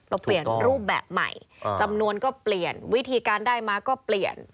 เราเปลี่ยนรูปแบบใหม่จำนวนก็เปลี่ยนวิธีการได้มาก็เปลี่ยน